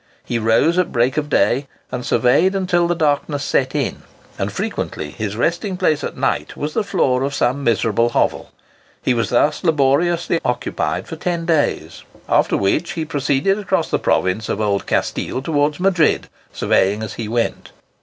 He rose at break of day, and surveyed until the darkness set in; and frequently his resting place at night was the floor of some miserable hovel. He was thus laboriously occupied for ten days, after which he proceeded across the province of Old Castile towards Madrid, surveying as he went.